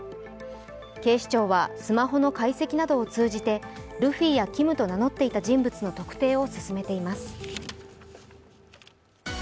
警視庁はスマホの解析などを通じてルフィやＫｉｍと名乗っていた人物の特定を進めています。